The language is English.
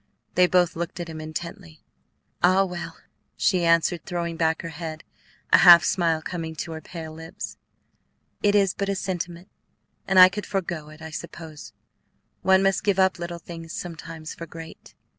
They both looked at him intently. "Ah, well," she answered, throwing back her head, a half smile coming to her pale lips, "it is but a sentiment, and I could forego it, I suppose. One must give up little things sometimes for great."